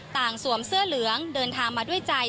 สวมเสื้อเหลืองเดินทางมาด้วยใจ